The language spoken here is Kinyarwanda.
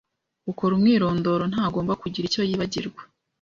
Ukora umwirondoro ntagomba kugira icyo yibagirwa